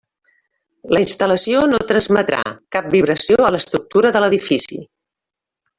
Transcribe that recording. La instal·lació no transmetrà cap vibració a l'estructura de l'edifici.